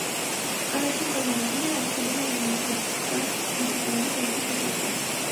Առաջին պայմանագիրը արգելում էր անմիջական միջուկային զենքի կուտակումը։